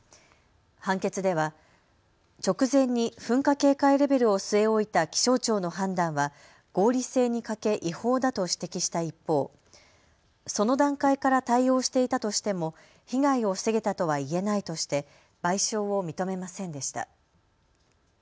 判決では直前に噴火警戒レベルを据え置いた気象庁の判断は合理性に欠け違法だと指摘した一方、その段階から対応していたとしても被害を防げたとは言えないとして賠償を認めませんでした。